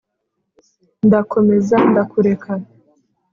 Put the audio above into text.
ndakomeza ndakureka